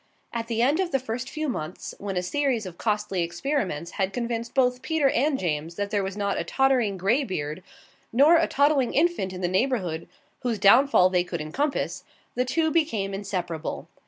At the end of the first few months, when a series of costly experiments had convinced both Peter and James that there was not a tottering grey beard nor a toddling infant in the neighbourhood whose downfall they could encompass, the two became inseparable.